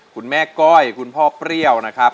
คุณแม่ก้อยคุณพ่อเปรี้ยวนะครับ